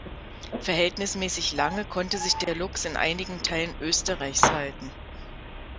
Verhältnismäßig lange konnte sich der Luchs in einigen Teilen Österreichs halten.